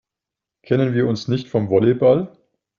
Kennen wir uns nicht vom Volleyball?